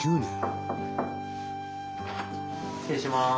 失礼します。